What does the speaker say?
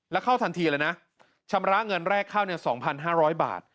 แล้วเข้าทันทีเลยนะชำระเงินแรกเข้า๒๕๐๐บาท